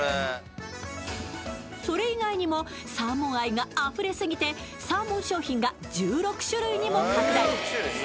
それ以外にもサーモン愛があふれすぎて、サーモン商品が１６種類にも拡大。